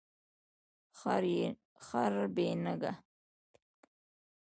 خر بی نګه